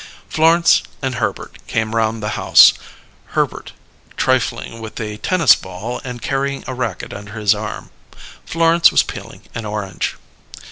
Florence and Herbert came round the house, Herbert trifling with a tennis ball and carrying a racket under his arm. Florence was peeling an orange.